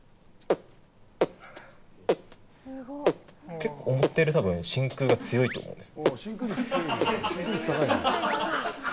結構、思ってるより真空が強いと思うんです。